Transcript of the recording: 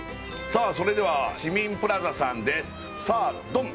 さあそれでは市民プラザさんですさあドン！